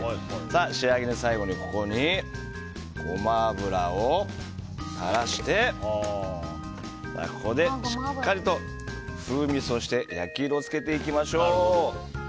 仕上げに最後にゴマ油を垂らしてここでしっかりと風味、そして焼き色を付けていきましょう。